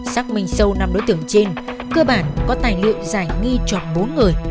xác minh sâu năm đối tượng trên cơ bản có tài liệu giải nghi chọn bốn người